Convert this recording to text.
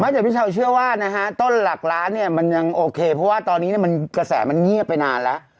เดี๋ยวพี่เช้าเชื่อว่านะฮะต้นหลักล้านเนี่ยมันยังโอเคเพราะว่าตอนนี้กระแสมันเงียบไปนานแล้ว